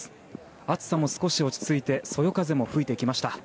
暑さも少し落ち着いてそよ風も吹いてきました。